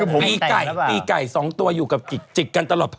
ปีไก่ปีไก่๒ตัวอยู่กับจิกกันตลอด